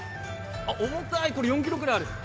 重たい、４ｋｇぐらいある。